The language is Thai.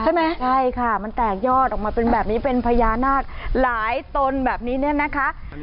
ใช่ไหมใช่ค่ะมันแตกยอดออกมาเป็นแบบนี้เป็นพญานาคหลายตนแบบนี้เนี่ยนะคะ